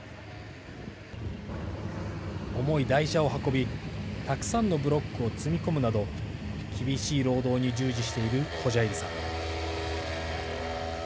重い台車を運びたくさんのブロックを積み込むなど厳しい労働に従事しているホジャイリさん。